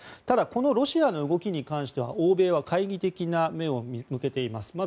ただ、このロシアの動きに関しては欧米は懐疑的な目を向けています。